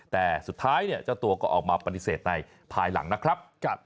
แต่สุดท้ายเนี่ยเจ้าตัวก็ออกมาปฏิเสธในภายหลังนะครับ